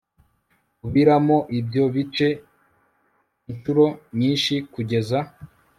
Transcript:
ubiramo ibyo bice inshuro nyinshi kugeza